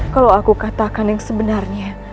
kalau aku katakan yang sebenarnya